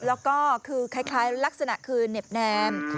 แล้วก็คือคล้ายลักษณะคือเหน็บแนม